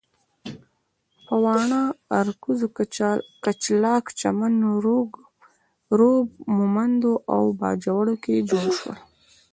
په واڼه، ارکزو، کچلاک، چمن، ږوب، مومندو او باجوړ کې جوړ شول.